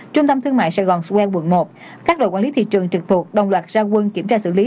trong thương mại sài gòn swell quận một các đội quản lý thị trường trực thuộc đồng loạt ra quân kiểm tra xử lý